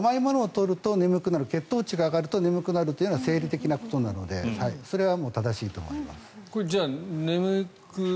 甘いものを取ると眠くなる血糖値が上がると眠くなるというのは生理的なものなのでそれは正しいと思います。